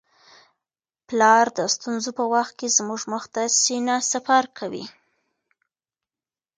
پلار د ستونزو په وخت کي زموږ مخ ته سینه سپر کوي.